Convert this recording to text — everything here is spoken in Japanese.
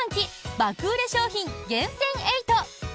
爆売れ商品厳選８。